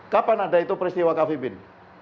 kapan ada itu peristiwa cafe bean